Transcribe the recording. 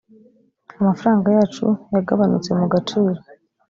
amafaranga yacu yagabanutse mu gaciro